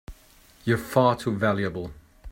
You're far too valuable!